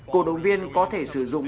cổ động viên có thể sử dụng